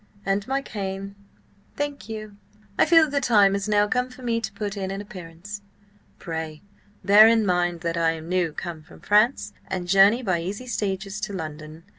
And my cane. Thank you. I feel the time has now come for me to put in an appearance. Pray, bear in mind that I am new come from France and journey by easy stages to London.